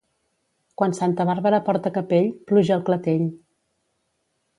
Quan Santa Bàrbara porta capell, pluja al clatell.